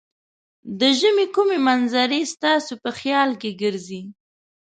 د ژمې کومې منظرې ستاسې په خیال کې ګرځي؟